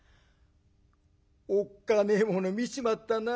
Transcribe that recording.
「おっかねえもの見ちまったな。